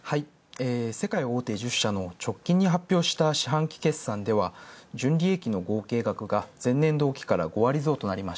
世界大手１０社直近に発表した四半期決算では純利益の合計が前年度から５割増。